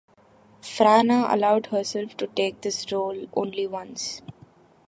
Frana allowed himself to take this role only once.